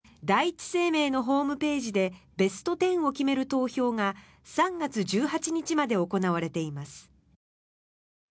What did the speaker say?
第一生命のホームページでベスト１０を決める投票が３月１８日まで行われています。